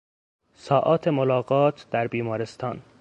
ساعات ملاقات در بیمارستان